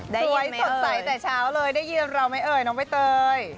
สวยสดใสแต่เช้าเลยได้ยินเราไหมเอ่ยน้องใบเตย